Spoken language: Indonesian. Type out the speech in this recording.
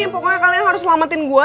pokoknya kalian harus selamatin gue